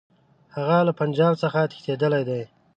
هغه له پنجاب څخه تښتېدلی دی.